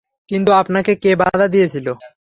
কিন্তু আপনাকে কে বাধা দিয়েছিলো?